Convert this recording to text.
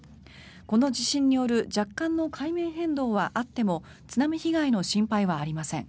この地震による若干の海面変動はあっても津波被害の心配はありません。